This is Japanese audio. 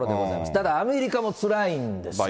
ただアメリカもつらいんですよ。